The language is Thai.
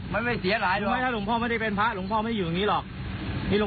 มันไม่เสียหายถูกไหมถ้าหลวงพ่อไม่ได้เป็นพระหลวงพ่อไม่อยู่อย่างนี้หรอก